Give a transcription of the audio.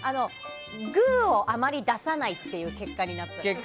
グーをあまり出さないっていう結果になって。